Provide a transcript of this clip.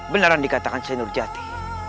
benaran dikatakan senur jati